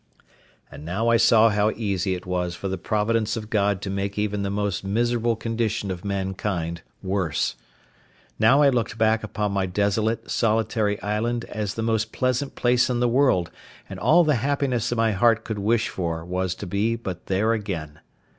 And now I saw how easy it was for the providence of God to make even the most miserable condition of mankind worse. Now I looked back upon my desolate, solitary island as the most pleasant place in the world and all the happiness my heart could wish for was to be but there again.